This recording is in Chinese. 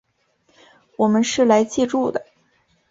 我们是来借住的